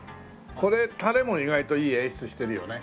これタレも意外といい演出してるよね。